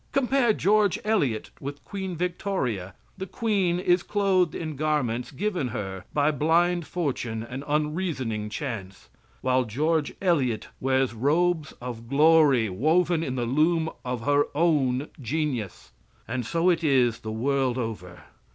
Compare George Eliot with Queen Victoria. The queen is clothed in garments given her by blind fortune and unreasoning chance, while George Eliot wears robes of glory woven in the loom of her own genius. And so it is the world over.